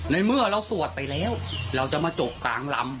ในเมื่อเราสวดไปแล้วเราจะมาจกกลางลำ